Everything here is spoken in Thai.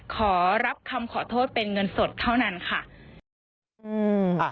ขอรับคำขอโทษเป็นเงินสดเท่านั้นค่ะ